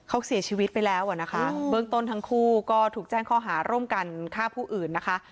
เขาเสียชีวิตไปแล้วอ่ะนะคะเบื้องต้นทั้งคู่ก็ถูกแจ้งข้อหาร่วมกันฆ่าผู้อื่นนะคะ